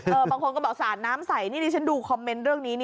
บางคนก็บอกสาดน้ำใส่นี่ดิฉันดูคอมเมนต์เรื่องนี้